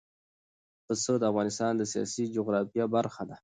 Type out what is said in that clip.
پسه د افغانستان د سیاسي جغرافیه برخه ده.